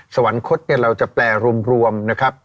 สวรรคตเนี่ยเราจะแปลรวมนะครับ